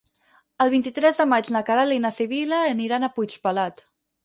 El vint-i-tres de maig na Queralt i na Sibil·la aniran a Puigpelat.